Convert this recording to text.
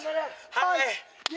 はい！